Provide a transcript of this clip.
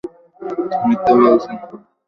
মিথ্যে বলছি না।